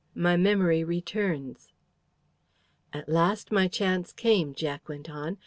MY MEMORY RETURNS "At last my chance came," Jack went on.